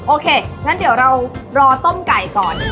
โอเคงั้นเดี๋ยวเรารอต้มไก่ก่อน